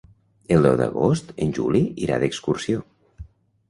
El deu d'agost en Juli irà d'excursió.